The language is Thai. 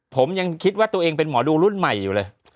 ผมยังคิดว่าตัวเองเป็นหมอดูรุ่นใหม่อยู่เลย